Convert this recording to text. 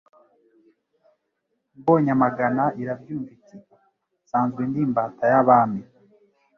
Mbonyamagana irabyumva Iti: nsanzwe ndi imbata y'Abami,